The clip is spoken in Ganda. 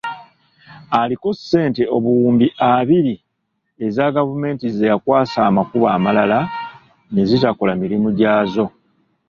Aliko ssente obuwumbi abiri eza gavumenti ze yakwasa amakubo amalala nezitakola mirimu gyazo.